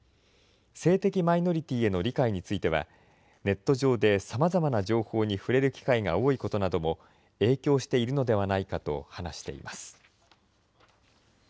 性的マイノリティーへの理解については、ネット上でさまざまな情報に触れる機会が多いことなども影響しているのではないかと話しています。